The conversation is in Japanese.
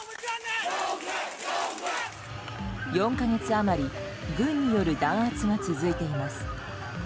４か月余り軍による弾圧が続いています。